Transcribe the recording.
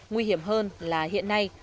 nguy hiểm hơn là hiện nay